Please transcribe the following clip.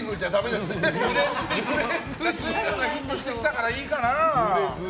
でも、瑞夢がヒットしてきたからいいかな。